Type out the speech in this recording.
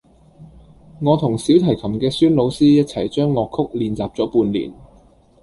我同小提琴嘅孫老師一齊將樂曲練習咗半年